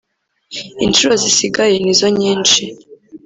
Inshuro zisigaye ni zo nyinshi